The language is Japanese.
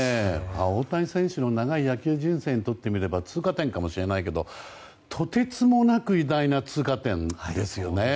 大谷選手の長い野球人生にとってみれば通過点かもしれないけどとてつもなく偉大な通過点ですよね。